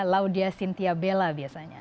laudia cynthia bella biasanya